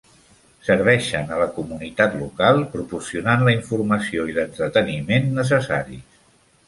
Serveixen a la comunitat local proporcionant la informació i l'entreteniment necessaris.